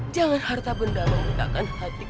jangan harta benda menegakkan hati kamu